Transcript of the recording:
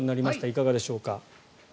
いかがでしょうか。